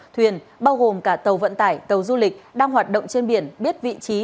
thuyền bao gồm cả tàu vận tải tàu du lịch đang hoạt động trên biển biết vị trí